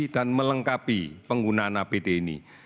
dan melengkapi penggunaan apd ini